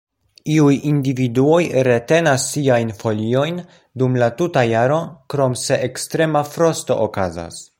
Iuj individuoj retenas siajn foliojn dum la tuta jaro, krom se ekstrema frosto okazas.